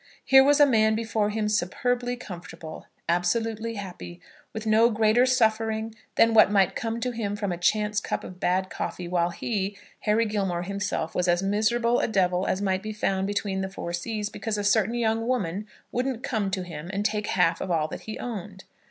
Here was a man before him superbly comfortable, absolutely happy, with no greater suffering than what might come to him from a chance cup of bad coffee, while he, Harry Gilmore himself, was as miserable a devil as might be found between the four seas, because a certain young woman wouldn't come to him and take half of all that he owned!